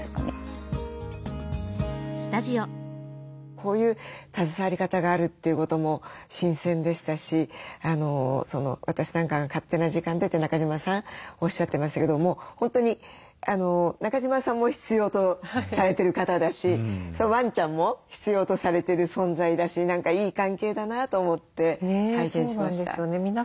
こういう携わり方があるということも新鮮でしたし「私なんかが勝手な時間で」って中島さんおっしゃってましたけども本当に中島さんも必要とされてる方だしワンちゃんも必要とされてる存在だし何かいい関係だなと思って拝見しました。